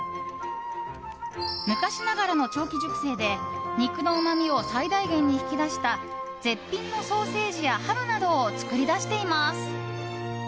昔ながらの長期熟成で肉のうまみを最大限に引き出した絶品のソーセージやハムなどを作り出しています。